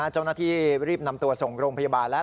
เจ้าหน้าที่รีบนำตัวส่งโรงพยาบาลแล้ว